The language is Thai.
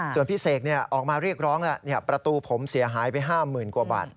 ส่วนพี่เสกออกมาเรียกร้องประตูผมเสียหายไป๕๐๐๐กว่าบาท